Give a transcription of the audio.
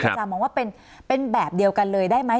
อาจารมองว่าเป็นแบบเดียวกันเลยได้ไหม